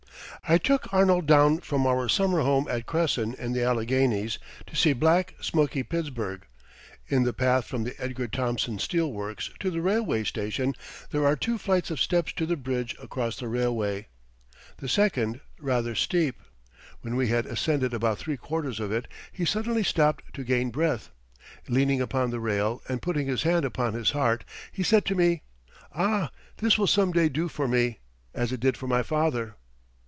I took Arnold down from our summer home at Cresson in the Alleghanies to see black, smoky Pittsburgh. In the path from the Edgar Thomson Steel Works to the railway station there are two flights of steps to the bridge across the railway, the second rather steep. When we had ascended about three quarters of it he suddenly stopped to gain breath. Leaning upon the rail and putting his hand upon his heart, he said to me: "Ah, this will some day do for me, as it did for my father."